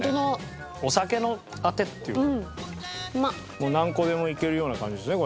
もう何個でもいけるような感じですね